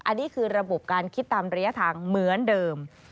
อันนี้คือระบบการคิดตามระยะทางเหมือนเดิม